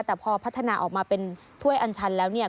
แต่พอพัฒนาออกมาเป็นถ้วยอัญชันแล้วเนี่ย